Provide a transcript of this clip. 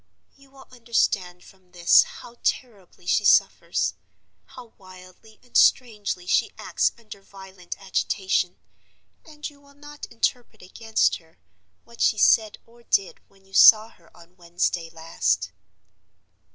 You will understand from this how terribly she suffers, how wildly and strangely she acts under violent agitation; and you will not interpret against her what she said or did when you saw her on Wednesday last.